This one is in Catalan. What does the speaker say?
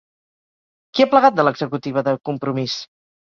Qui ha plegat de l'executiva de Compromís?